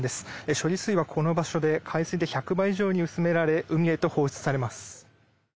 処理水はこの場所で、海水で１００倍以上に薄められ、海へと放出されます。